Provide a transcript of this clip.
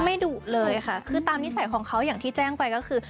ดุเลยค่ะคือตามนิสัยของเขาอย่างที่แจ้งไปก็คือ